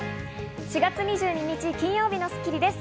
４月２２日、金曜日の『スッキリ』です。